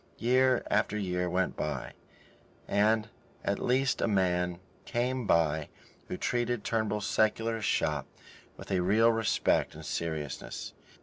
Year after year went by, and at least a man came by who treated Mr. Turnbull's secularist shop with a real respect and seriousness.